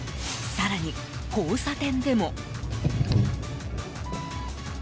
更に、交差点でも。